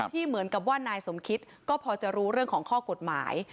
เหมือนกับว่านายสมคิตก็พอจะรู้เรื่องของข้อกฎหมาย